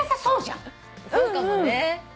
そうかもね。